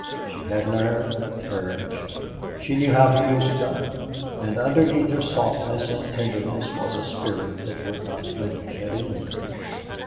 She had nerve, courage; she knew how to use a gun; and underneath her softness and tenderness was a spirit that would not flinch at anything.